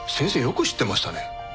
よく知ってましたね。